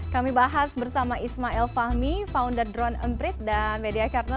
kami bahas bersama ismail fahmi founder drone emprit dan media carno